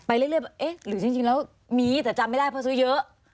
เรื่อยเอ๊ะหรือจริงแล้วมีแต่จำไม่ได้เพราะซื้อเยอะ